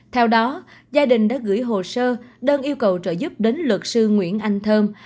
theo đó gia đình đã gửi hồ sơ đơn yêu cầu trợ giúp đến luật sư nguyễn anh thơm